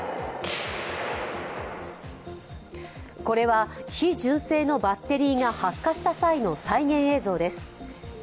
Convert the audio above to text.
これは非純正のバッテリーが発火した際の再現映像です。